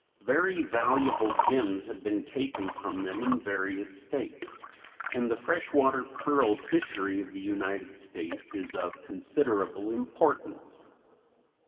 Very valuable gems have been taken from them in various states, and the fresh water pearl fishery of the United States is of considerable importance.